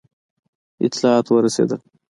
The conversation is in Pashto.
اطلاعات ورسېدل.